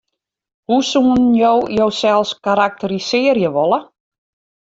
Hoe soenen jo josels karakterisearje wolle?